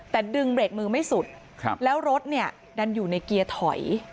แต่ดึงเบรกมือไม่สุดแล้วรถเนี่ยดันอยู่ในเกียร์ถอย